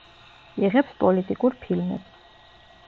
იღებს პოლიტიკურ ფილმებს.